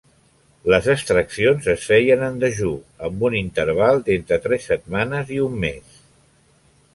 Les extraccions es feien en dejú, amb un interval d'entre tres setmanes i un mes.